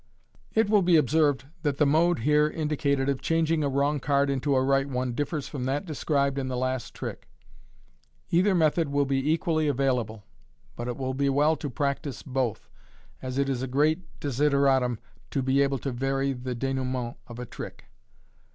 It will be observed that the mode here indicated of changing a wrong card into a right one differs from that described in the last trick. Either method will be equally available, but it will be well to practise both, as it is a great desideratum to be able to vary the denouement of a trick.